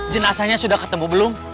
jenasanya sudah ketemu belum